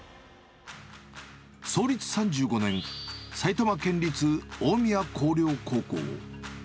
創立３５年、埼玉県立大宮光陵高校。